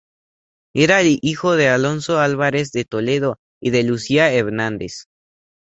Era hijo de Alonso Álvarez de Toledo y de Lucía Hernández.